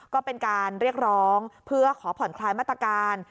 ก็เป็นการเรียกร้องเพื่อขอผ่อนคลายมาตรการ